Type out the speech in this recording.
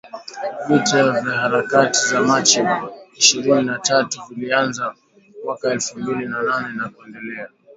Vita vya Harakati za Machi ishirini na tatu vilianza mwaka elfu mbili na nane na kuendelea.